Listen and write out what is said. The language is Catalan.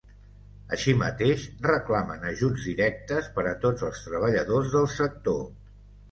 Així mateix, reclamen ajuts directes per a tots els treballadors del sector.